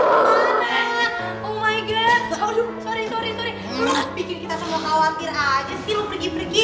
lu bikin kita semua khawatir aja sih lu pergi pergi